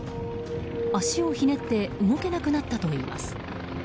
足をひねって動けなくなったといいます。